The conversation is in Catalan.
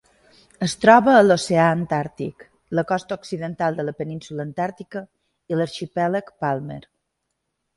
Es troba a l'oceà Antàrtic: la costa occidental de la península Antàrtica i l'arxipèlag Palmer.